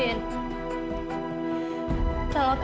if seri a element susah makan cairan